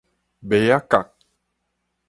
麥仔角